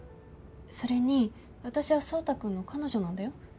それに私は壮太君の彼女なんだよ。